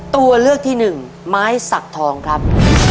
ตัวเลือกที่หนึ่งไม้สักทองครับ